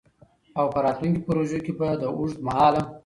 او په راتلونکو پروژو کي به د اوږدمهاله